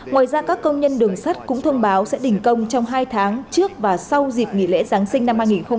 ngoài ra các công nhân đường sắt cũng thông báo sẽ đình công trong hai tháng trước và sau dịp nghỉ lễ giáng sinh năm hai nghìn hai mươi hai do mâu thuẫn tiền lương